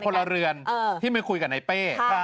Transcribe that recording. เป็นคนละเรือนที่ไม่คุยกับนายเป้